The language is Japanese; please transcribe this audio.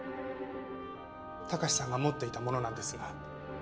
貴史さんが持っていたものなんですが。